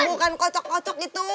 bukan kocok kocok gitu